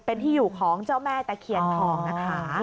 เป็นที่อยู่ของเจ้าแม่ตะเคียนทองนะคะ